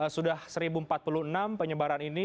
sudah seribu empat puluh enam penyebaran ini